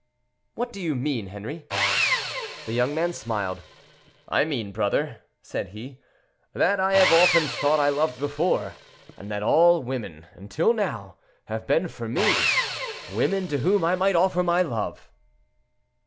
"What do you mean, Henri?" The young man smiled. "I mean, brother," said he, "that I have often thought I loved before, and that all women, until now, have been for me—women to whom I might offer my love."